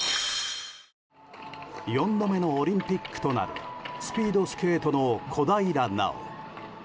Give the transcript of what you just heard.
４度目のオリンピックとなるスピードスケートの小平奈緒。